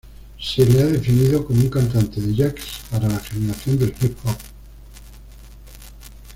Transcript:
Se lo ha definido como un cantante de jazz para la generación del hip-hop.